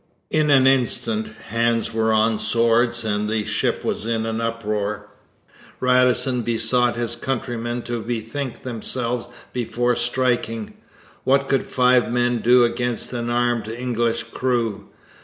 In an instant, hands were on swords and the ship was in an uproar. Radisson besought his countrymen to bethink themselves before striking. What could five men do against an armed English crew?